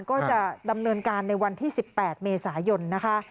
ก็จะดำเนินการในวันที่๑๘เมษายนนะคะ